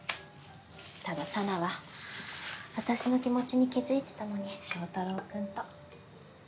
ただ沙奈は私の気持ちに気付いてたのに正太郎君と。